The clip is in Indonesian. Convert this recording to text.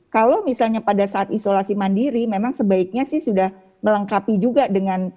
kalau misalnya pada saat isolasi mandiri memang sebaiknya sih sudah melengkapi juga dengan